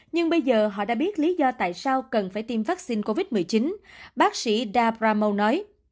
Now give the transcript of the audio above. nhưng bây giờ họ đã biết lý do tại sao cần phải tiêm vaccine covid một mươi chín bác sĩ dabramo nói